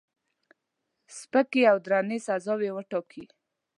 سپکې او درنې سزاوي وټاکي.